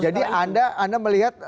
jadi anda melihat